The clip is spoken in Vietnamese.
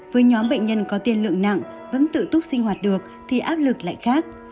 với nhóm bệnh nhân có tiên lượng nặng vẫn tự túc sinh hoạt được thì áp lực lại khác